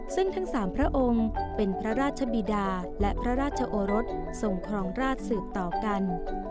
ซึ่งทั้ง๓พระองค์เป็นพระราชบิดาและพระราชโอรสทรงครองราชสืบต่อกัน